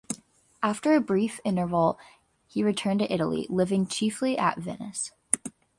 After a brief interval he returned to Italy, living chiefly at Venice.